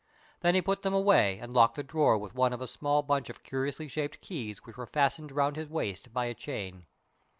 Then he put them away and locked the drawer with one of a small bunch of curiously shaped keys which were fastened round his waist by a chain.